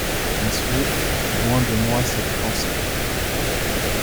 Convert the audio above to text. Messieurs, loin de moi cette pensée…